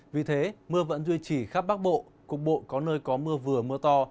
vì thế mưa vẫn duy trì khắp bắc bộ cục bộ có nơi có mưa vừa mưa to